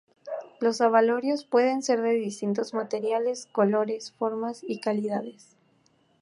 Los abalorios pueden ser de distintos materiales, colores, formas y calidades.